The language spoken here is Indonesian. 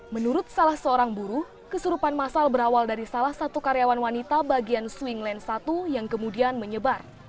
menurut salah seorang buruh kesurupan masal berawal dari salah satu karyawan wanita bagian swingland satu yang kemudian menyebar